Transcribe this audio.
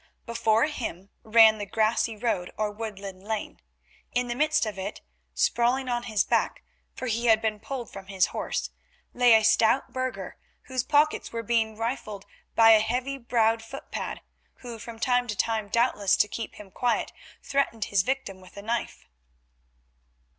Before him ran the grassy road or woodland lane. In the midst of it, sprawling on his back, for he had been pulled from his horse, lay a stout burgher, whose pockets were being rifled by a heavy browed footpad, who from time to time, doubtless to keep him quiet, threatened his victim with a knife.